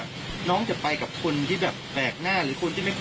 เก่งเนอะไม่มีลองร้อยอีกอย่างเลยอย่างนี้นะคะ